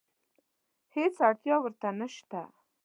هېڅ اړتیا ورته نشته.